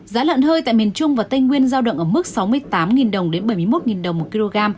giá lợn hơi tại miền trung và tây nguyên giao động ở mức sáu mươi tám đồng đến bảy mươi một đồng một kg